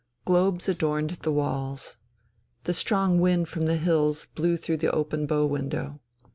Globes adorned the walls. The strong wind from the hills blew through the open bow window.